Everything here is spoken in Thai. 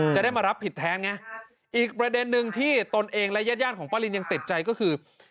จะได้มารับผิดแทนไงอีกประเด็นนึงที่ตนเองและญาติย่านของป้าลินยังติดใจก็คือ